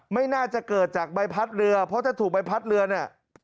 ไม่น่าจะเกิดจากใบพัดเรือเพราะถ้าถูกใบพัดเรือเนี่ย